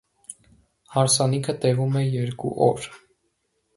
Հարսանիքը տևում է երկու օր։